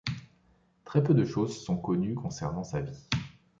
Très peu de choses sont connues concernant sa vie.